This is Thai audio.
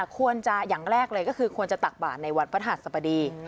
ควรจะอย่างแรกเลยก็คือควรจะตักบาทในวัดพระธาตุสบดี